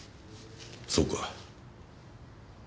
そうか。